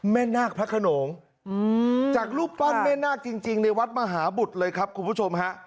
นาคพระขนงจากรูปปั้นแม่นาคจริงในวัดมหาบุตรเลยครับคุณผู้ชมฮะ